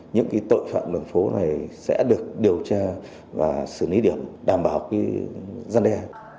những tội phạm đường phố này sẽ được điều tra và xử lý điểm đảm bảo gian đe